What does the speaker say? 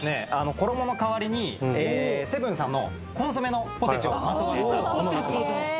衣の代わりにセブンさんのコンソメのポテチをまとわせたものになってます